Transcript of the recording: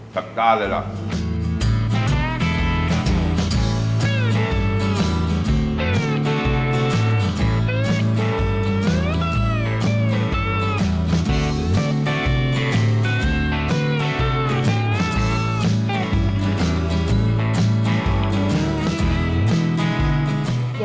จัดจ้านเลยเหรอ